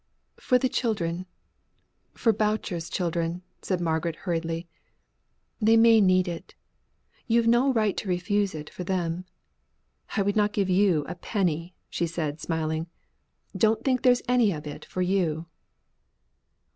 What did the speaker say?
"For the children for Boucher's children," said Margaret, hurriedly. "They may need it. You've no right to refuse it for them. I would not give you one penny," she said, smiling; "don't think there's any of it for you."